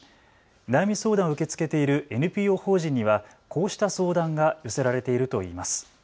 悩み相談を受け付けているＮＰＯ法人にはこうした相談が寄せられているといいます。